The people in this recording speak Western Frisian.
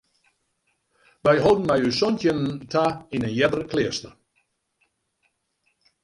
Wy holden mei ús santjinnen ta yn in earder kleaster.